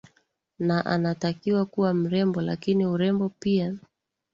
na anatakiwa kuwa mrembo lakini urembo pia